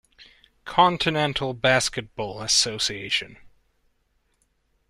Continental Basketball Association